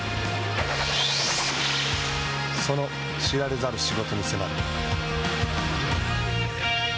その知られざる仕事に迫る。